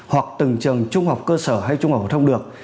hoặc từng trường trung học cơ sở hay trung học phổ thông được